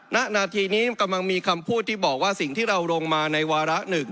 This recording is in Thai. ณนาทีนี้กำลังมีคำพูดที่บอกว่าสิ่งที่เราลงมาในวาระ๑